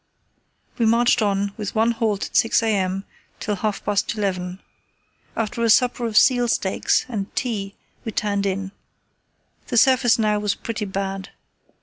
We marched on, with one halt at 6 a.m., till half past eleven. After a supper of seal steaks and tea we turned in. The surface now was pretty bad.